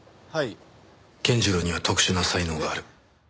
健次郎には特殊な才能がある。